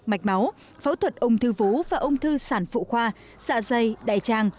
mạch máu phẫu thuật ung thư vú và ung thư sản phụ khoa xạ dây đại trang